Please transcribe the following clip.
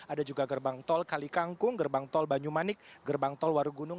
ada juga gerbang tol kalikangkung gerbang tol banyumanik gerbang tol warugunung